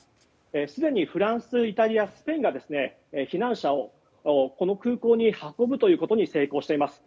すでにフランス、イタリアスペインが避難者をこの空港に運ぶということに成功しています。